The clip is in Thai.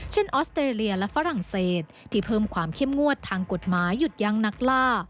ออสเตรเลียและฝรั่งเศสที่เพิ่มความเข้มงวดทางกฎหมายหยุดยั้งนักล่า